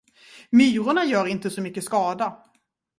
Myrorna gör inte så mycket skada.